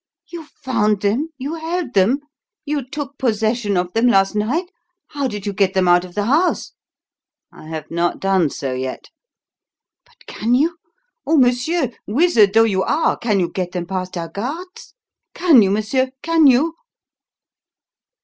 "You found them? You held them? You took possession of them last night? How did you get them out of the house?" "I have not done so yet." "But can you? Oh, monsieur, wizard though you are, can you get them past her guards? Can you, monsieur can you?"